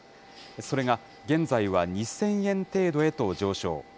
それが現在は２０００円程度へと上昇。